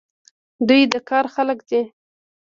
دوی د کار خلک دي.